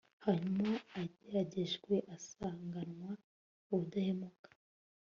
hanyuma ageragejwe asanganwa ubudahemuka